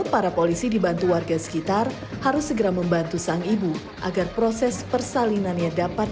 para polisi dibantu warga sekitar harus segera membantu sang ibu agar proses persalinannya dapat